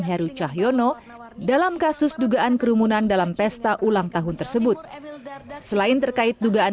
heru cahyono dalam kasus dugaan kerumunan dalam pesta ulang tahun tersebut selain terkait dugaan